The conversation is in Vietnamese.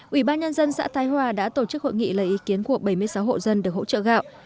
ủy ban nhân dân xã thái hòa đã tổ chức hội nghị lấy ý kiến của bảy mươi sáu hộ dân được hỗ trợ gạo